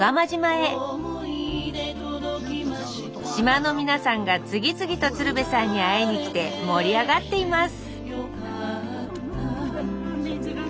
島の皆さんが次々と鶴瓶さんに会いに来て盛り上がっています